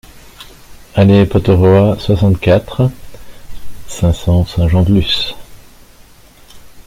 Allée Pottoroa, soixante-quatre, cinq cents Saint-Jean-de-Luz